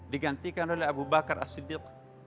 digantikan oleh abu bakar as siddiq